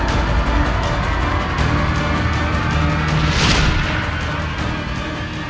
sahabatku sudah tiada tujuan